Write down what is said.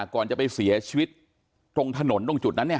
ก่อนจะไปเสียชีวิตตรงถนนตรงจุดนั้นเนี่ย